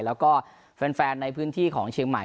แล้วก็แฟนในพื้นที่ของเชียงใหม่